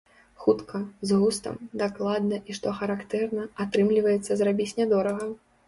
Хутка, з густам, дакладна і што характэрна, атрымліваецца зрабіць нядорага.